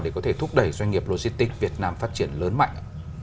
để có thể thúc đẩy doanh nghiệp lôi stick việt nam phát triển lớn mạnh ạ